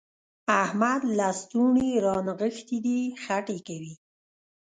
احمد لستوڼي رانغښتي دي؛ خټې کوي.